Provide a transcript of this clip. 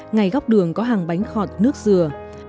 ngay góc đường có hàng bánh khọt nước dừa